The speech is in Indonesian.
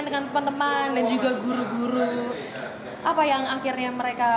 gak tau ya apa ya dengan teman teman dan juga guru guru apa yang akhirnya mereka